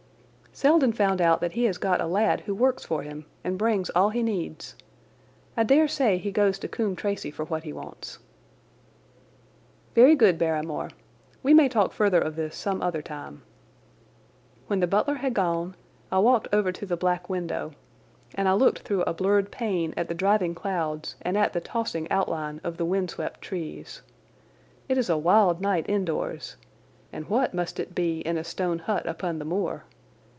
"Selden found out that he has got a lad who works for him and brings all he needs. I dare say he goes to Coombe Tracey for what he wants." "Very good, Barrymore. We may talk further of this some other time." When the butler had gone I walked over to the black window, and I looked through a blurred pane at the driving clouds and at the tossing outline of the wind swept trees. It is a wild night indoors, and what must it be in a stone hut upon the moor.